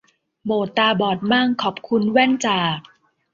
โหมดตาบอดมั่ง ขอบคุณแว่นจาก